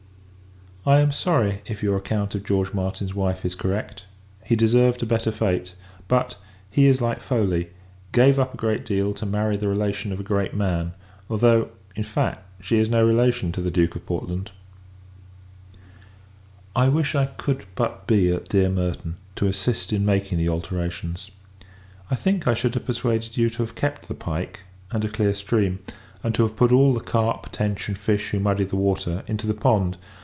I am sorry, if your account of George Martin's wife is correct; he deserved a better fate. But, he is like Foley; gave up a great deal, to marry the relation of a great man: although, in fact, she is no relation to the Duke of Portland. I wish, I could but be at dear Merton, to assist in making the alterations. I think, I should have persuaded you to have kept the pike, and a clear stream; and to have put all the carp, tench, and fish who muddy the water, into the pond.